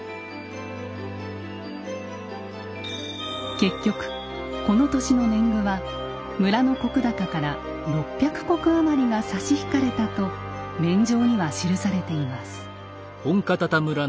結局この年の年貢は村の石高から６００石余りが差し引かれたと免定には記されています。